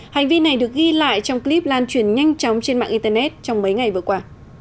hành vi này được ghi lại trong clip lan truyền nhanh chóng trên mạng internet trong mấy ngày vừa qua